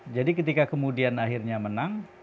jadi ketika kemudian akhirnya menang